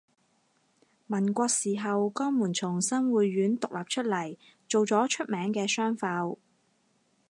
民國時候江門從新會縣獨立出嚟做咗出名嘅商埠